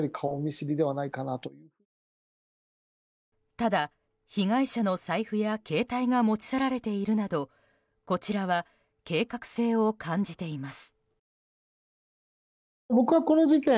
ただ、被害者の財布や携帯が持ち去られているなどこちらは計画性を感じています。